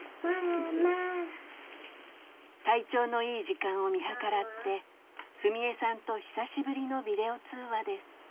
体調のいい時間を見計らって史恵さんと久しぶりのビデオ通話です。